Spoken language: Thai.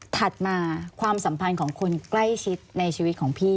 ถัดมาความสัมพันธ์ของคนใกล้ชิดในชีวิตของพี่